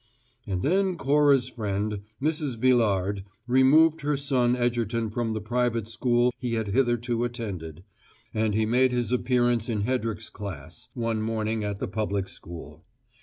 And then Cora's friend, Mrs. Villard, removed her son Egerton from the private school he had hitherto attended, and he made his appearance in Hedrick's class, one morning at the public school.